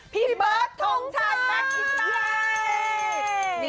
พี่เบิร์ดถงฉันแม็กซ์อินไทย